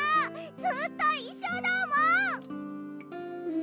ずっといっしょだもん！